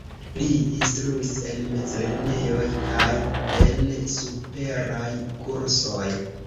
Li instruis en mezlernejoj kaj en superaj kursoj.